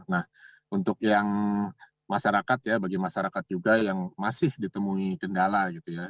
nah untuk yang masyarakat ya bagi masyarakat juga yang masih ditemui kendala gitu ya